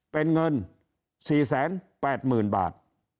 เป็นเงิน๔๘๐๐๐บาท